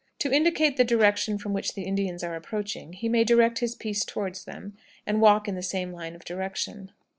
To indicate the direction from which the Indians are approaching, he may direct his piece toward them, and walk in the same line of direction.